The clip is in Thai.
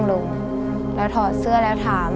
พี่น้องของหนูก็ช่วยย่าทำงานค่ะ